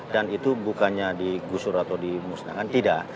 dan itu bukannya di gusur atau di musnangan tidak